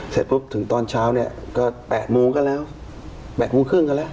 เสร็จปุ๊บถึงตอนเช้าเนี่ยก็๘โมงก็แล้ว๘โมงครึ่งก็แล้ว